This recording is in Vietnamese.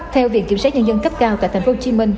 theo viện kiểm sát nhân dân cấp cao tại tp hcm